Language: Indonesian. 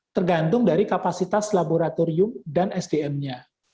tergantung dari kapasitas laboratorium dan sdm nya